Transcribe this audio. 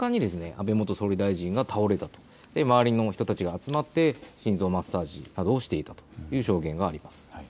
安倍元総理大臣が倒れたと周りの人たちが集まって心臓マッサージなどをしていたという証言があります。